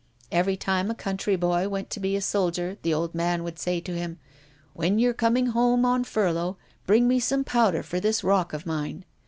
"Every time a country boy went to be a soldier, the old man would say to him: 'When you're coming home on furlough, bring me some powder for this rock of mine.'